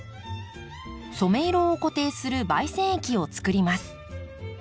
染め色を固定する媒染液をつくります。